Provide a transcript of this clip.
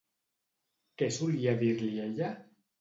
Què solia dir-li ella?